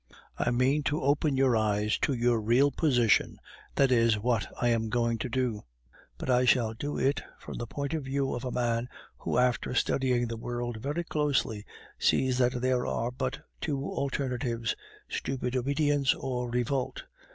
I mean to open your eyes to your real position, that is what I am going to do: but I shall do it from the point of view of a man who, after studying the world very closely, sees that there are but two alternatives stupid obedience or revolt.